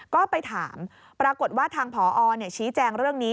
ก็ไปถามปรากฏว่าทางผอชี้แจงเรื่องนี้